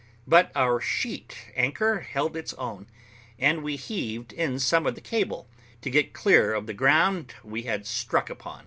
But our sheet anchor held its own, and we heaved in some of the cable, to get clear of the ground we had struck upon.